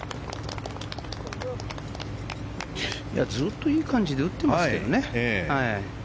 ずっといい感じで打ってますけどね。